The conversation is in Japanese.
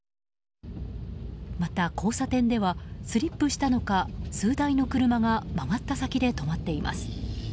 また交差点ではスリップしたのか数台の車が曲がった先で止まっています。